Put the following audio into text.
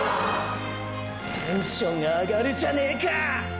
テンションが上がるじゃねぇか！！